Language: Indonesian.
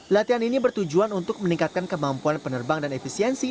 latihan ini bertujuan untuk meningkatkan kemampuan penerbang dan efisiensi